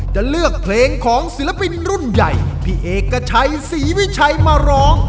จะเลือกเพลงของศิลปินรุ่นใหญ่พี่เอกชัยศรีวิชัยมาร้อง